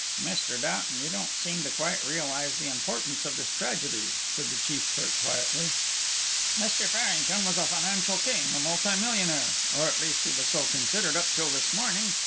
"Mr. Doughton, you don't seem to quite realize the importance of this tragedy," said the chief clerk, quietly. "Mr. Farrington was a financial king a multi millionaire. Or at least, he was so considered up till this morning.